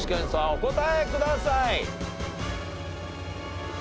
お答えください。